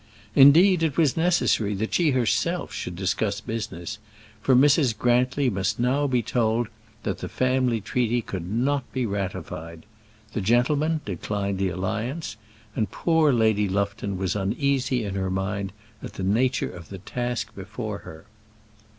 Indeed, it was necessary that she herself should discuss business, for Mrs. Grantly must now be told that the family treaty could not be ratified. The gentleman declined the alliance, and poor Lady Lufton was uneasy in her mind at the nature of the task before her.